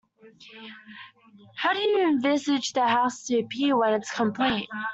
How do you envisage the house to appear when it's complete?